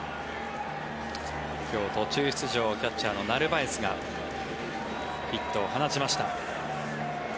途中出場キャッチャーのナルバエスがヒットを放ちました。